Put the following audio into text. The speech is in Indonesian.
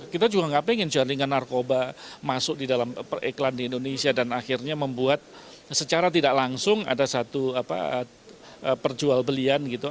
kita juga nggak pengen jaringan narkoba masuk di dalam iklan di indonesia dan akhirnya membuat secara tidak langsung ada satu perjualbelian gitu